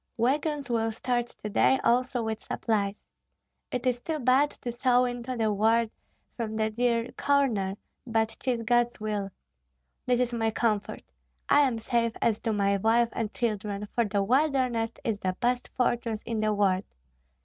Wagons will start to day also with supplies. It is too bad to go into the world from the dear corner, but 'tis God's will! This is my comfort: I am safe as to my wife and children, for the wilderness is the best fortress in the world.